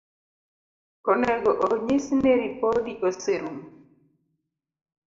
Onego onyis ni ripodi oserumo